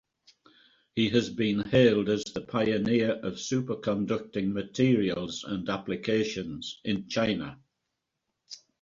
He has been hailed as "the pioneer of superconducting materials and applications in China".